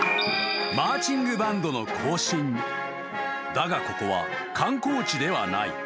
［だがここは観光地ではない］